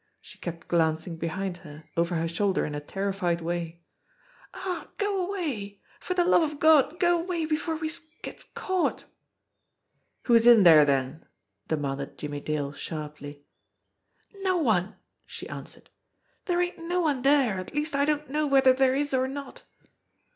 She kept glancing behind her, over her shoulder in a terrified way. "Aw, go away! For the love of Gawd, go away before we'se gets caught!" "Who's in there, then?" demanded Jimmie Dale sharply. 86 JIMMIE DALE AND THE PHANTOM CLUE "No one!" she answered. "Dere ain't no one dere at least I don't know whether dere is or not."